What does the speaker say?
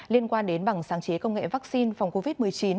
liên quan đến bằng sáng chế công nghệ vaccine phòng covid một mươi chín